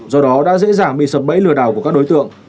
do đó đã dễ dàng bị sập bẫy lừa đảo của các đối tượng